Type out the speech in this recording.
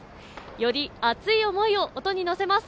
より熱い思いを演奏に乗せます。